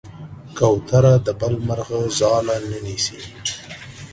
کوتره د بل مرغه ځاله نه نیسي.